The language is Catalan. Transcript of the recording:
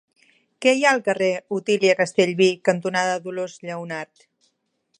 Què hi ha al carrer Otília Castellví cantonada Dolors Lleonart?